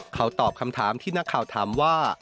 เขาตอบคำถามที่นักข่าวถามว่า